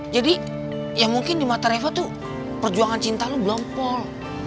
jadi ya mungkin di mata reva tuh perjuangan cinta lo belompol